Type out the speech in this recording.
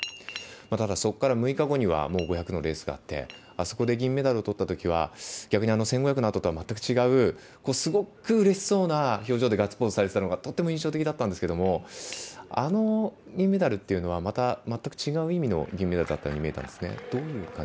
ただ、そこから６日後にはもう５００のレースがあってあそこで銀メダルを取ったときは逆に１５００のあととは全く違うすごくうれしそうな表情でガッツポーズされてたのがとても印象的だったんですがあの銀メダルというのはまた全く違う意味の銀メダルだったように見えたんですね。